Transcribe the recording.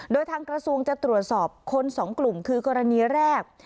โดยทางกระทรวงจะตรวจสอบคนสองกลุ่มคือกรณีแรก